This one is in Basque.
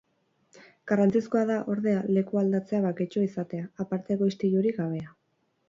Garrantzizkoa da, ordea, leku aldatzea baketsua izatea, aparteko istilurik gabea.